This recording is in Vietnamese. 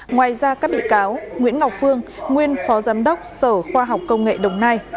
ngoài ra các bị cáo nguyễn ngọc phương nguyên phó giám đốc sở khoa học công nghệ đồng nai